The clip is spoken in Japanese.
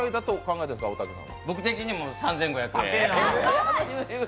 僕的には３５００円？